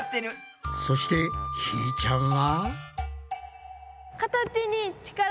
そしてひーちゃんは？